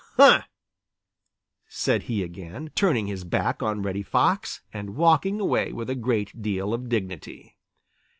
"Huh!" said he again, turning his back on Reddy Fox and walking away with a great deal of dignity.